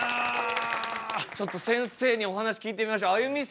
ちょっとせんせいにお話聞いてみましょうあゆみ